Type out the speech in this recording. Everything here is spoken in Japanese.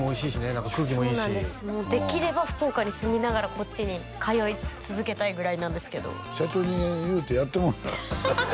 何か空気もいいしもうできれば福岡に住みながらこっちに通い続けたいぐらいなんですけど社長に言うてやってもろうたら？